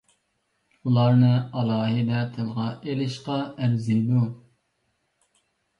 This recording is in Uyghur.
ئۇلارنى ئالاھىدە تىلغا ئېلىشقا ئەرزىيدۇ.